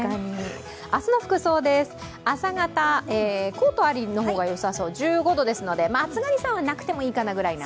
明日の服装です、朝方、コートありの方がよさそう、１５度ですので、暑がりさんはなくてもいいかなくらいな。